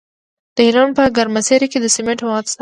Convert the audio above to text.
د هلمند په ګرمسیر کې د سمنټو مواد شته.